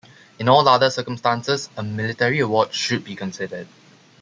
In all other circumstances, a military award should be considered.